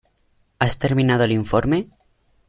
¿Has terminado el informe?